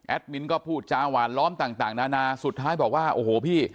มินก็พูดจาหวานล้อมต่างนานาสุดท้ายบอกว่าโอ้โหพี่